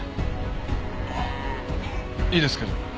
いいですけど。